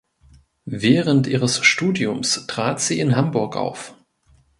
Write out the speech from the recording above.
Während ihres Studiums trat sie in Hamburg auf.